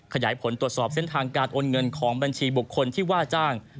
ขยายผลตรวจสอบเส้นทางการโอนเงินของบัญชีบุคคลที่ว่าจ้าง